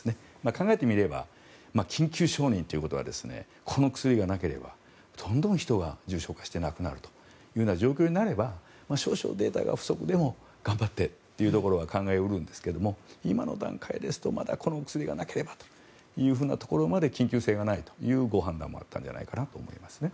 考えてみれば緊急承認ということはこの薬がなければどんどん人が重症化して亡くなるというような状況になれば少々、データが不足でも頑張ってというところは考え得るんですが今の段階ですとまだこの薬がなければというところまでは緊急性がないというご判断をもらったんじゃないかなと思います。